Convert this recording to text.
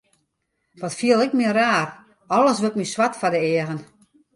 Wat fiel ik my raar, alles wurdt my swart foar de eagen.